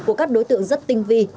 của các đối tượng rất tinh vi